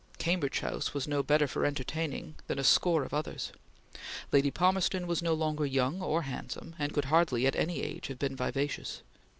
Cambridge House was no better for entertaining than a score of others. Lady Palmerston was no longer young or handsome, and could hardly at any age have been vivacious.